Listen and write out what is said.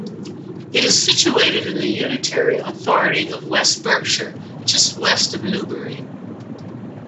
It is situated in the unitary authority of West Berkshire, just west of Newbury.